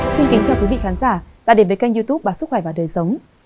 xin kính chào quý vị khán giả đã đến với kênh youtube sức khỏe và đời sống